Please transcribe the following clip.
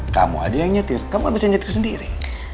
kamu aja yang nyetir kamu gak bisa nyetir sendiri